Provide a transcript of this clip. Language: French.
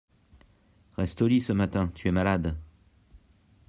Reste au lit ce matin, tu es malade.